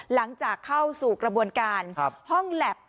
หลังจากเข้าสู่กระบวนการห้องแล็บ